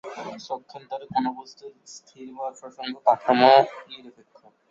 পক্ষান্তরে কোন বস্তুর স্থির ভর প্রসঙ্গ-কাঠামো নিরপেক্ষ।